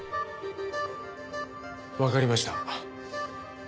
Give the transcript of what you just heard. わかりました。